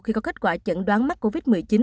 khi có kết quả chẩn đoán mắc covid một mươi chín